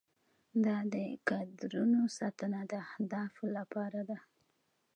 دا د کادرونو ساتنه د اهدافو لپاره ده.